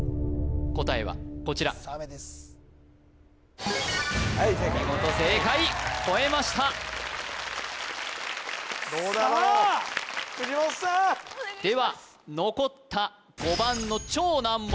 答えはこちらお見事正解越えましたさあ藤本さんでは残った５番の超難問